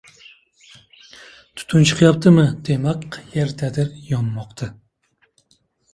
• Tutun chiqyaptimi, demak, qayerdir yonmoqda.